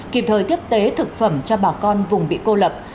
kịp thời tiếp tế thực phẩm cho bà con vùng bị cô lập